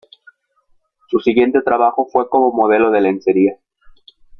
Su siguiente trabajo fue como modelo de lencería.